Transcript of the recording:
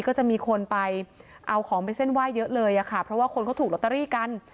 ก็จะมีคนไปเอาของไปเส้นไหว้เยอะเลยอะค่ะเพราะว่าคนเขาถูกลอตเตอรี่กัน